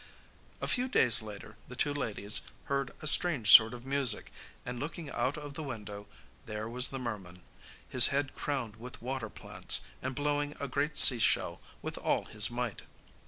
A few days later the two ladies heard a strange sort of music, and looking out of the window, there was the merman, his head crowned with water plants, and blowing a great sea shell with all his might.